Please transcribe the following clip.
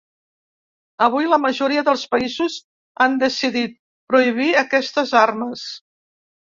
Avui, la majoria dels països han decidit prohibir aquestes armes.